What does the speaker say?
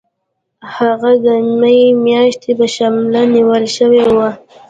هغه د می میاشتې په شلمه نیول شوی و.